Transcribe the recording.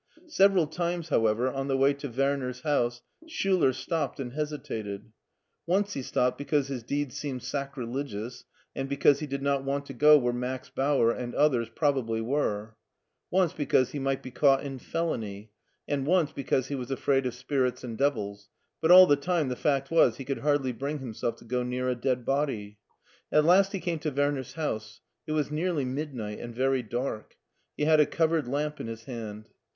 Several times, however, on the way to Werner's house, Schuler stopped and hesitated; once he stopped because his deed seemed sacrilegious, and because he did not want to go where Max Bauer and others probably were; once because he might be caught in felony, and once because he was afraid of spirits and devils; but all the time the fact was he could hardly bring himself to go near a dead body. At last he came to Werner's house. It was nearly midnight and very dark. He had a covered lamp in his hand.